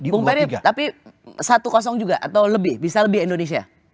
bung perib tapi satu juga atau lebih bisa lebih indonesia